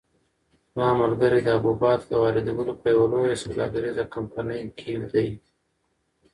زما ملګری د حبوباتو د واردولو په یوه لویه سوداګریزه کمپنۍ کې دی.